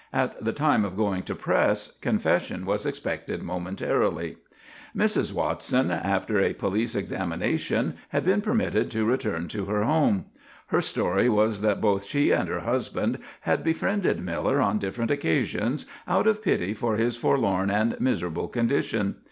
At the time of going to press confession was expected momentarily. Mrs. Watson, after a police examination, had been permitted to return to her home. Her story was that both she and her husband had befriended Miller on different occasions, out of pity for his forlorn and miserable condition.